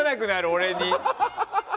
俺に。